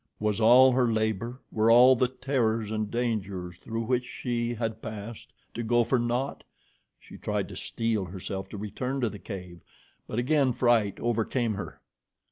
Was all her labor, were all the terrors and dangers through which she had passed to go for naught? She tried to steel herself to return to the cave, but again fright overcame her.